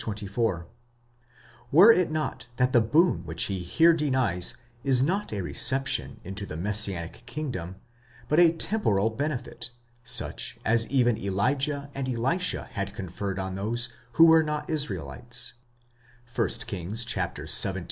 24), were it not that the boon which he here denies is not a reception into the messianic kingdom, but a temporal benefit, such as even Elijah and Elisha had conferred on those who were not Israelites (1 Kings xvii.